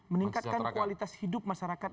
meningkatkan kualitas hidup masyarakat